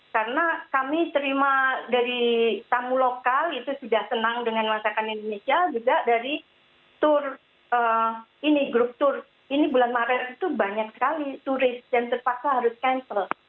karena kami terima dari tamu lokal itu sudah senang dengan masakan indonesia juga dari grup tour ini bulan maret itu banyak sekali turis yang terpaksa harus cancel